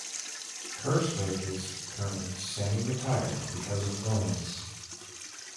Kerslake is currently semi-retired because of illness.